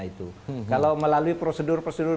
itu kalau melalui prosedur prosedur